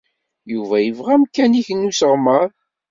Yuba yebɣa amkan-nnek n usseɣmer.